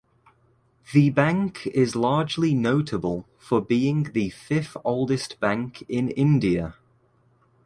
The bank is largely notable for being the fifth oldest bank in India.